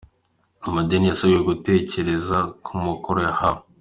Amadini yasabwe gutekereza ku mukoro yahawe.